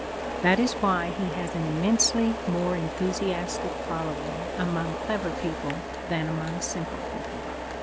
That is why he has an immensely more enthusiastic following among clever people than among simple people.